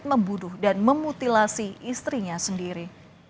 membunuh dan memutilasi istrinya sendiri